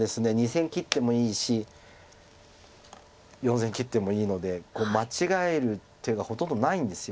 ２線切ってもいいし４線切ってもいいので間違える手がほとんどないんです。